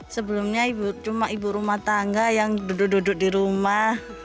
sebelumnya ibu cuma ibu rumah tangga yang duduk duduk di rumah